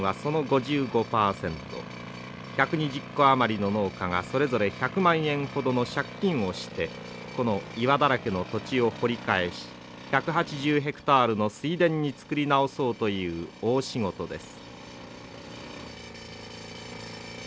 １２０戸余りの農家がそれぞれ１００万円ほどの借金をしてこの岩だらけの土地を掘り返し１８０ヘクタールの水田に作り直そうという大仕事です。